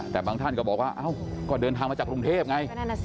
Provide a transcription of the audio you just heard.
แต่บางท่านก็บอกว่าเอ้าก็เดินทางมาจากกรุงเทพไง